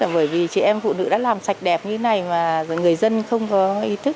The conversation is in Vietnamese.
bởi vì chị em phụ nữ đã làm sạch đẹp như thế này mà người dân không có ý thức